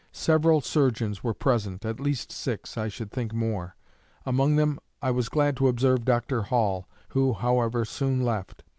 Several surgeons were present, at least six, I should think more. Among them I was glad to observe Dr. Hall, who, however, soon left.